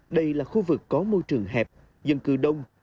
đây là khu vực có môi trường hẹp dân cư đông